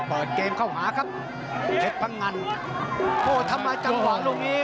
เปิดเกมเข้าหาครับเพชรพังงันโอ้ทำมาจังหวะลูกนี้